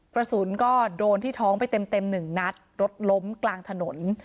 กระสุนก็โดนที่ท้องไปเต็มหนึ่งนัดรถล้มกลางถนน